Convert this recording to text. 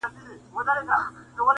خوله په غاښو ښه ښکاري -